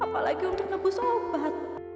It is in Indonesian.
apalagi untuk nabu sobat